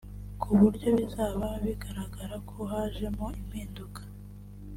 ku buryo bizaba bigaragara ko hajemo impinduka